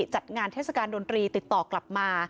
จัดงานเทศกาลดนตรีติดต่อกลับมา